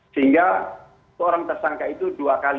sehingga seorang tersangka itu dua kali